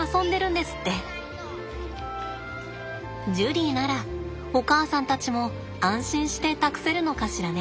ジュリーならお母さんたちも安心して託せるのかしらね。